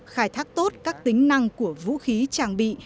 khai thác tốt các tính năng của vũ khí trang bị